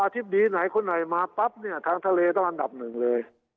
ธิบดีไหนคนไหนมาปั๊บเนี่ยทางทะเลต้องอันดับหนึ่งเลย